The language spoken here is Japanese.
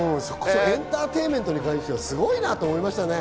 エンターテインメントに関してすごいなと思いましたね。